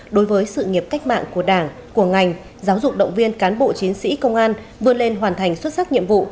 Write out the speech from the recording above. đối với sự nghiệp cách mạng của đảng của ngành giáo dục động viên cán bộ chiến sĩ công an vươn lên hoàn thành xuất sắc nhiệm vụ